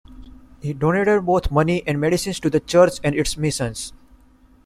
He donated both money and medicine to the church and its missions.